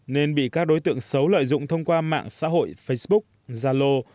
nên bị các đối tượng xấu lợi dụng thông qua mạng xã hội facebook zalo